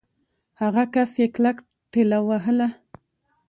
هغه کس يې کلک ټېلوهه.